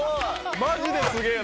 マジですげぇな！